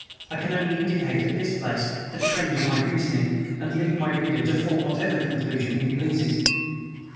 I can only indicate, at this place, the trend of my reasoning, and leave my reader to form whatever conclusion he pleases.